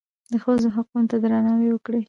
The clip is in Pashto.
د ښځو حقوقو ته درناوی وکړئ